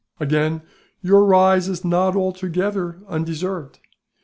"Again, your rise is not altogether undeserved.